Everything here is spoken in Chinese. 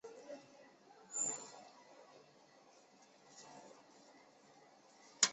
出身于爱知县蒲郡市五井町。